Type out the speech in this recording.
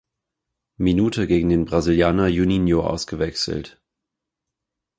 Minute gegen den Brasilianer Juninho ausgewechselt.